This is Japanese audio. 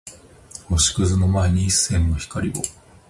星屑の前に一閃の光を